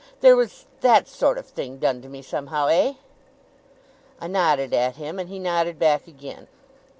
'There was that sort of thing done to me somehow. Eh?' I nodded at him, and he nodded back again.